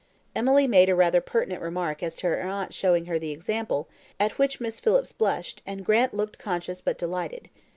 Emily made rather a pertinent remark as to her aunt showing her the example, at which Miss Phillips blushed, and Grant looked conscious but delighted.